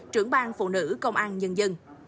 trưởng bang phụ nữ công an nhân dân